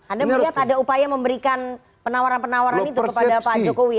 anda melihat ada upaya memberikan penawaran penawaran itu kepada pak jokowi